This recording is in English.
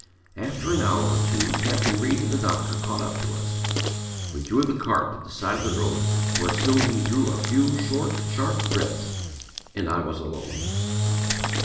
After an hour or two Capt. Reed and the doctor caught up to us. We drew the cart to the side of the road where soon he drew a few short, sharp breaths and I was alone."